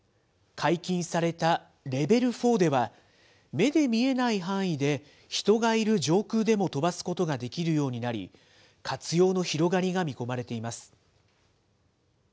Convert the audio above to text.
解禁されたレベル４では、目で見えない範囲で人がいる上空でも飛ばすことができるようになり、活用の広がりが見込まれています。